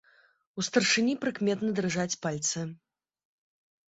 У старшыні прыкметна дрыжаць пальцы.